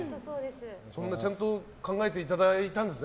ちゃんと考えていただいたんですね。